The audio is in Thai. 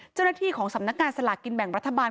เจ้าหน้าที่ของสำนักงานสลากกินแบ่งรัฐบาล